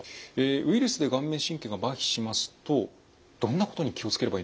ウイルスで顔面神経がまひしますとどんなことに気を付ければいいですか？